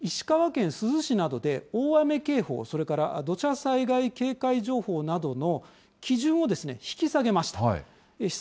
気象庁、きのう石川県珠洲市などで、大雨警報、それから土砂災害警戒情報などの基準を引き下げました。